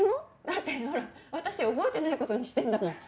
だってほら私覚えてない事にしてんだもん。